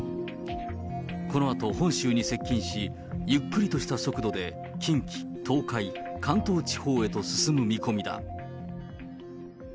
このあと本州に接近し、ゆっくりとした速度で近畿、東海、関東地方へと進む見込みだ。